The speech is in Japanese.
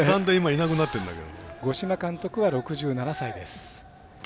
五島監督は６７歳です。